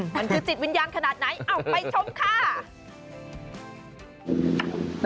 มันคือจิตวิญญาณขนาดไหนเอาไปชมค่ะ